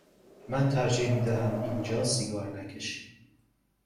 من ترجیح می دهم اینجا سیگار نکشی.